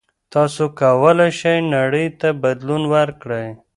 تاسو کولای شئ نړۍ ته بدلون ورکړئ.